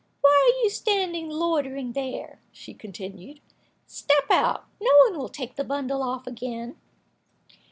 Why are you standing loitering there?" she continued. "Step out. No one will take the bundle off again."